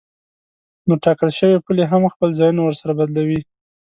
نو ټاکل شوې پولې هم خپل ځایونه ورسره بدلوي.